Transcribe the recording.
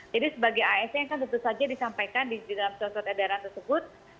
jadi sebagai asn kan tentu saja disampaikan di dalam surat surat edaran tersebut